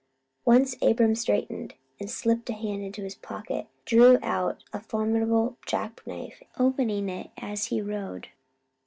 Once Abram straightened, and slipping a hand into his pocket, drew out a formidable jack knife, opening it as he rode.